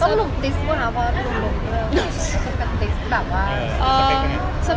ต้องลุกดิสก์ก่อนค่ะเพราะลุกเรื่อง